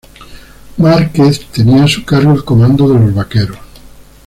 Márquez tenía a su cargo el comando de los vaqueros.